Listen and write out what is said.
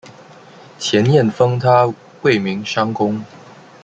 前燕封他为岷山公。